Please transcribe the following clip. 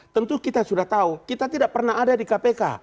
tentu kita sudah tahu kita tidak pernah ada di kpk